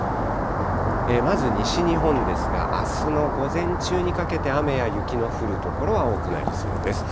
まず西日本ですが、あすの午前中にかけて雨や雪の降る所は多くなりそうです。